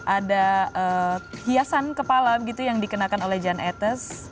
ada hiasan kepala yang dikenakan oleh jan etes